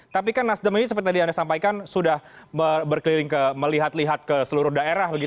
tapi kan nasdem ini seperti tadi anda sampaikan sudah berkeliling melihat lihat ke seluruh daerah